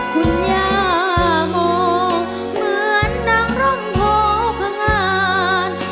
คุณยาโง่เหมือนดังร่มโผพงาน